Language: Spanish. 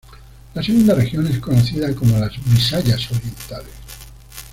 La segunda región es conocida como las Bisayas Orientales.